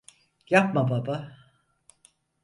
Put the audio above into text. Yapma baba!